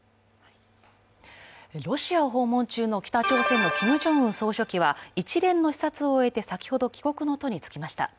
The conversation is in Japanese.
ロシアを訪問中の北朝鮮のキム・ジョンウン総書記は、一連の視察を終えて、先ほど帰国の途につきました。